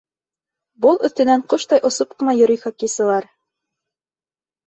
Боҙ өҫтөнән ҡоштай осоп ҡына йөрөй хоккейсылар!